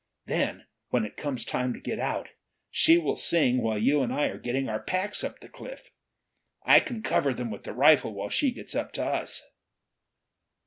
Then when it comes time to get out, she will sing while you and I are getting our packs up the cliff. I can cover them with the rifle while she gets up to us."